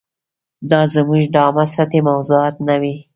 دا زموږ د عامه سطحې موضوعات نه دي.